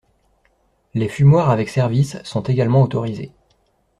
Les fumoirs avec service sont également autorisés.